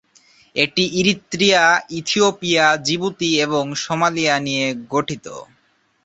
এটি Eritrea, Ethiopia, Djibouti এবং Somalia নিয়ে গঠিত।